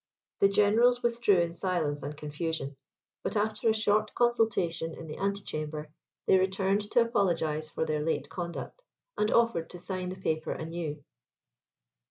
The generals withdrew in silence and confusion; but after a short consultation in the antichamber, they returned to apologize for their late conduct, and offered to sign the paper anew.